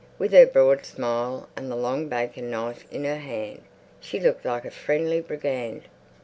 With her broad smile and the long bacon knife in her hand, she looked like a friendly brigand.